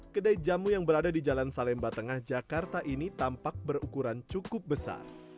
kedai jamu yang berada di jalan salemba tengah jakarta ini tampak berukuran cukup besar